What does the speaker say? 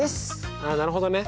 ああなるほどね。